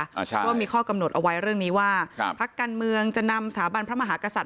เพราะว่ามีข้อกำหนดเอาไว้เรื่องนี้ว่าครับพักการเมืองจะนำสถาบันพระมหากษัตริย